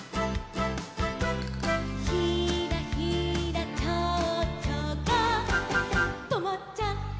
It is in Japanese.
「ひらひらちょうちょがとまっちゃった」